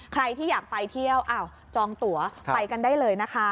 ใครที่อยากไปเที่ยวจองตัวไปกันได้เลยนะคะ